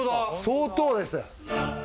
相当です。